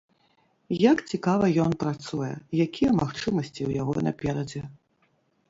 Як цікава ён працуе, якія магчымасці ў яго наперадзе.